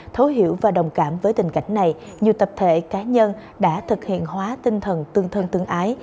thấu hiểu và đồng cảm với tình cảnh này nhiều tập thể cá nhân đã thực hiện hóa tinh thần tương thân tương ái